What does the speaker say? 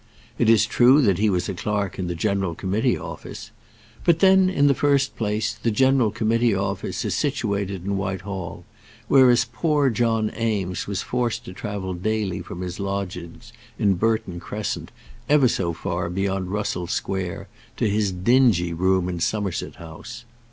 It is true that he was a clerk in the General Committee Office. But then, in the first place, the General Committee Office is situated in Whitehall; whereas poor John Eames was forced to travel daily from his lodgings in Burton Crescent, ever so far beyond Russell Square, to his dingy room in Somerset House.